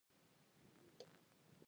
هند د کرکټ په نړۍ کښي ډېر شهرت لري.